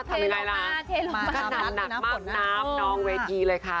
เทลงมาเทลงมาน้ำน้ำน้องเวทีเลยค่ะ